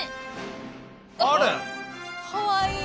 かわいい！